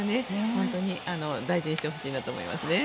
本当に大事にしてほしいなと思いますね。